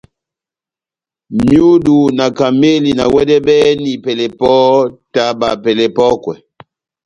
Myudu na kamɛli na wɛdɛbɛhɛni pɛlɛ pɔhɔ́, taba pɛlɛ epɔ́kwɛ.